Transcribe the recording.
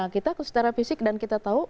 kita secara fisik dan kita tahu